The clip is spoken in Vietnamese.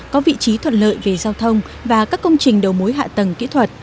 có vị trí thuận lợi về giao thông và các công trình đầu mối hạ tầng kỹ thuật